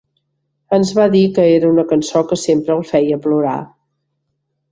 Ens va dir que era una cançó que sempre el feia plorar.